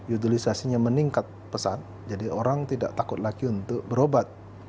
utilisasinya meningkat pesat jadi orang tidak takut lagi untuk berobat